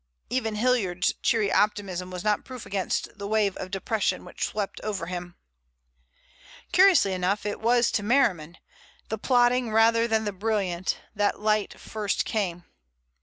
Even Hilliard's cheery optimism was not proof against the wave of depression which swept over him. Curiously enough it was to Merriman, the plodding rather than the brilliant, that light first came.